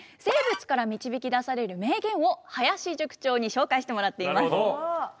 生物から導き出される名言を林塾長に紹介してもらっています。